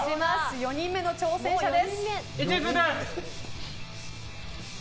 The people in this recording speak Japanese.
４人目の挑戦者です。